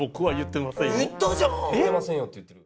「言ってませんよ」って言ってる。